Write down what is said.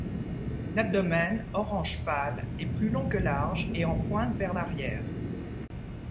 L'abdomen, orange pâle, est plus long que large et en pointe vers l'arrière.